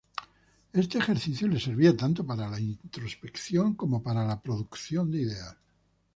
Este ejercicio le servía tanto para la introspección como para la producción de ideas.